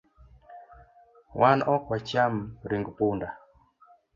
Wan ok wacham ring punda